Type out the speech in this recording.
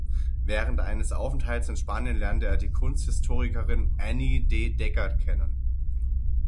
Während eines Aufenthaltes in Spanien lernte er die Kunsthistorikerin Anny de Decker kennen.